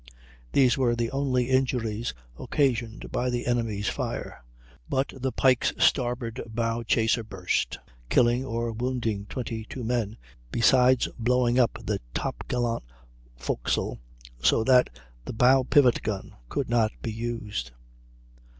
These were the only injuries occasioned by the enemy's fire, but the Pike's starboard bow chaser burst, killing or wounding 22 men, besides blowing up the top gallant forecastle, so that the bow pivot gun could not be used.